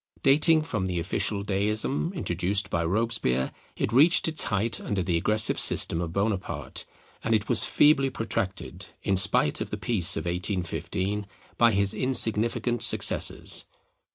Dating from the official Deism introduced by Robespierre, it reached its height under the aggressive system of Bonaparte, and it was feebly protracted, in spite of the peace of 1815, by his insignificant successors.